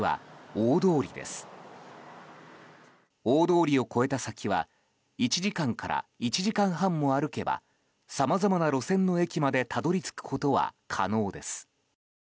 大通りを越えた先は１時間から１時間半も歩けばさまざまな路線の駅までたどり着くことは可能です。